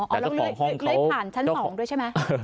แล้วเลื้อยผ่านชั้น๒ด้วยใช่ไหม